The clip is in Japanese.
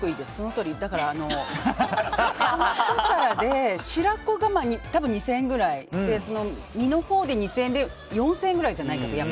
このひと皿で白子が多分２０００円くらいで身のほうで２０００円で４０００円くらいじゃないかと。